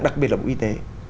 đặc biệt là bộ y tế